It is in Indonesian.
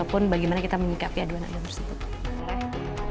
karena kita mengikapi aduan yang tersebut